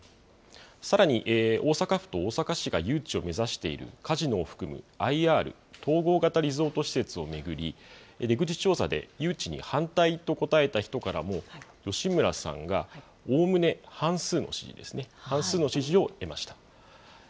さらに大阪府と大阪市が誘致を目指しているカジノを含むＩＲ・統合型リゾート施設を巡り、出口調査で誘致に反対と答えた人からも、吉村さんがおおむね半数の支持ですね、半数の支持を得ました。